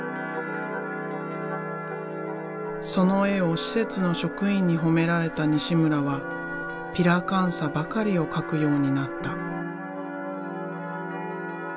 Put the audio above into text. その絵を施設の職員に褒められた西村はピラカンサばかりを描くようになった。